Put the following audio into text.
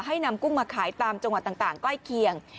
นำกุ้งมาขายตามจังหวัดต่างใกล้เคียง